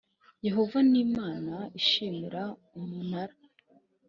Yehova ni imana ishimira umunara